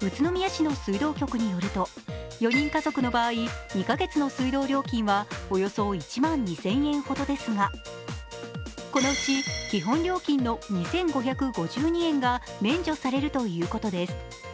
宇都宮市の水道局によると４人家族の場合２カ月の水道料金はおよそ１万２０００円ほどですがこのうち基本料金の２５５２円が免除されるということです。